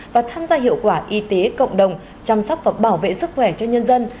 và tham gia hiệu quả y tế cộng đồng chăm sóc và bảo vệ sức khỏe cho nhân dân